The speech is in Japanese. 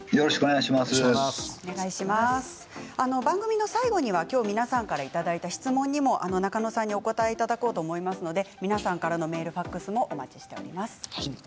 番組の最後には今日皆さんからいただいた質問にも中野さんにお答えいただこうと思いますので皆さんからのメール、ファックスもお待ちしています。